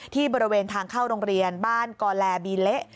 บริเวณทางเข้าโรงเรียนบ้านกอแลบีเละ